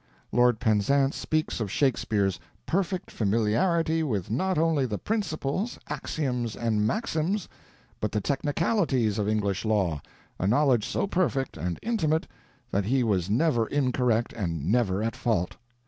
Lord Penzance speaks of Shakespeare's "perfect familiarity with not only the principles, axioms, and maxims, but the technicalities of English law, a knowledge so perfect and intimate that he was never incorrect and never at fault....